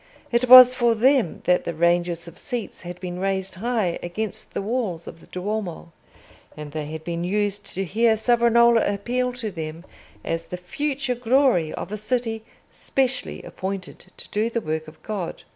It was for them that the ranges of seats had been raised high against the walls of the Duomo; and they had been used to hear Savonarola appeal to them as the future glory of a city specially appointed to do the work of God.